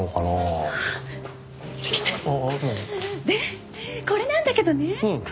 でこれなんだけどね